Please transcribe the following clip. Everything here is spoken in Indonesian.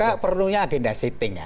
saya perlunya agenda setting ya